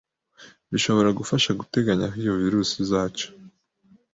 bishobora gufasha guteganya aho iyo virusi izaca